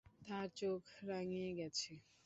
তার চোখ রাঙ্গিয়ে গেছে।